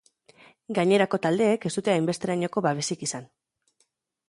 Gainerako taldeek ez dute hainbesterainoko babesik izan.